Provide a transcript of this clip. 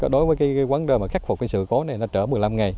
đối với quán đơn khắc phục sự cố này nó trở một mươi năm ngày